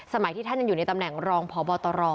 ที่ท่านยังอยู่ในตำแหน่งรองพบตร